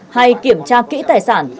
hay kiểm tra kỹ tài sản